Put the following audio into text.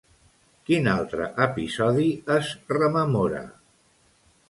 Quin altre episodi es rememora?